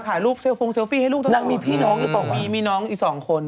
บางหนึ่งนะประมาณนั้น